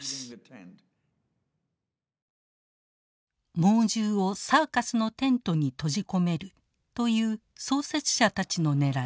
猛獣をサーカスのテントに閉じ込めるという創設者たちのねらい。